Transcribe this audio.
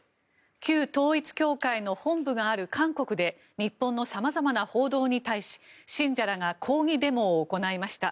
旧統一教会の本部がある韓国で日本の様々な報道に対し信者らが抗議デモを行いました。